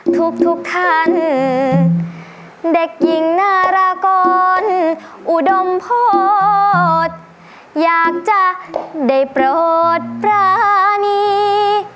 ทุกท่านเด็กหญิงนารากรอุดมโพธอยากจะได้โปรดปรานี